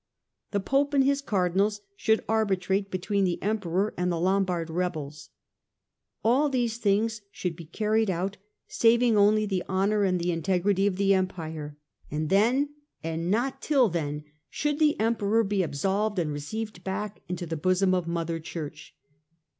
The Pope and his Cardinals should arbitrate between the Emperor and the Lombard rebels. All these things should be carried out, saving only the honour and in A NEW ENEMY 215 tegrity of the Empire ; and then, and not till then, should the Emperor be absolved and received back into the bosom of Mother Church.